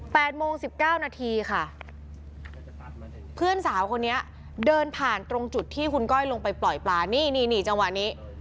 โมงสิบเก้านาทีค่ะเพื่อนสาวคนนี้เดินผ่านตรงจุดที่คุณก้อยลงไปปล่อยปลานี่นี่จังหวะนี้